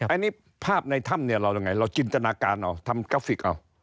อันนี้ภาพในถ้ำเนี่ยเรายังไงเราจินตนาการเอาทำกราฟิกเอา